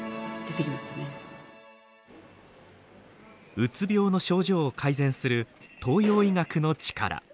うつ病の症状を改善する東洋医学のチカラ。